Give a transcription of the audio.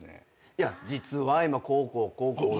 実は今こうこうこうこうで。